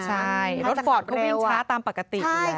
ใช่รถฟอร์ตเขาวิ่งช้าตามปกติอยู่แล้ว